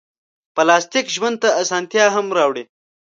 پلاستيک ژوند ته اسانتیا هم راوړي.